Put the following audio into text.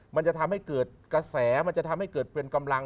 มันจะทำให้เกิดกระแสมันจะทำให้เกิดเป็นกำลัง